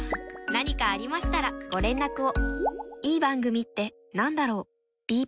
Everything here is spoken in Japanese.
何かありましたらご連絡を。